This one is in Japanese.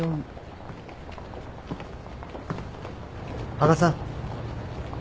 羽賀さん。